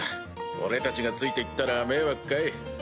俺たちがついて行ったら迷惑かい？